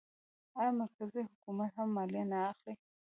آیا مرکزي حکومت هم مالیه نه اخلي؟